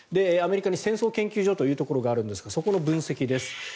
アメリカに戦争研究所というところがあるんですがそこの分析です。